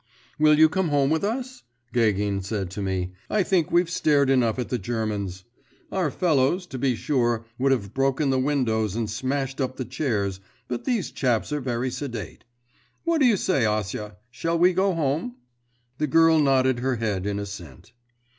'Will you come home with us?' Gagin said to me; 'I think we've stared enough at the Germans. Our fellows, to be sure, would have broken the windows, and smashed up the chairs, but these chaps are very sedate. What do you say, Acia, shall we go home?' The girl nodded her head in assent.